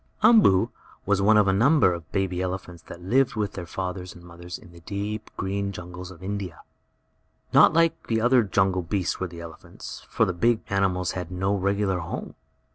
Umboo was only one of a number of baby elephants that lived with their fathers and mothers in the deep, green jungles of India. Not like the other jungle beasts were the elephants, for the big animals had no regular home.